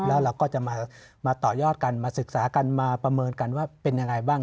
แล้วเราก็จะมาต่อยอดกันมาศึกษากันมาประเมินกันว่าเป็นยังไงบ้าง